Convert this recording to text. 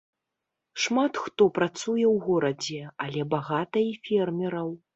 Шмат хто працуе ў горадзе, але багата і фермераў.